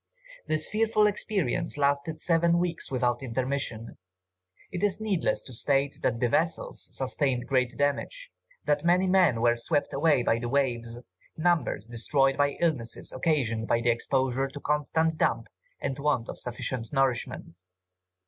This fearful experience lasted seven weeks without intermission. It is needless to state that the vessels sustained great damage, that many men were swept away by the waves, numbers destroyed by illnesses occasioned by the exposure to constant damp, and want of sufficient nourishment.